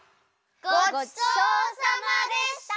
ごちそうさまでした！